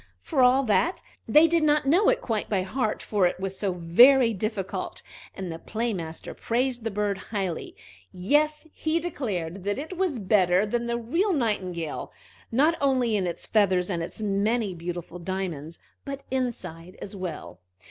For all that, they did not know it quite by heart, for it was so very difficult. And the Play master praised the bird highly; yes, he declared that it was better than the real Nightingale, not only in its feathers and its many beautiful diamonds, but inside as well.